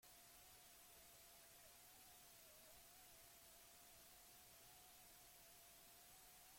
Askotan ez dira onartzen hizkuntza gutxiagotuak aurrera eramateko hainbat ahalegin.